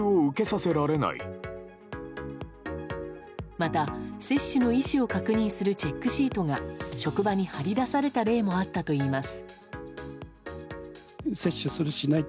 また接種の意思を確認するチェックシートが職場に貼り出された例もあったといいます。